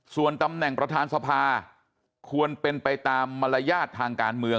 ส่วนตำแหน่งประธานสภาควรเป็นไปตามมารยาททางการเมือง